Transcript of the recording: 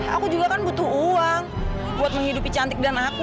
aku juga kan butuh uang buat menghidupi cantik dan aku